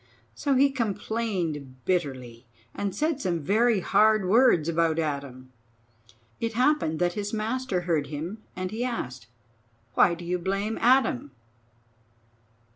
So he complained bitterly, and said some very hard words about Adam. It happened that his master heard him, and he asked: "Why do you blame Adam?